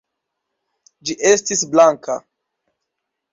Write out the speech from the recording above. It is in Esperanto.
Ĝi estis blanka.